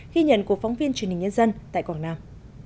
ghi nhận của phóng viên truyền hình nhân dân tại quảng nam